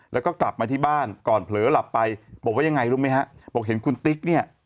แล้วก็กลับมาที่บ้านก่อนเผลอหลับไปบอกว่ายังไงรู้ไหมฮะบอกเห็นคุณติ๊กเนี่ย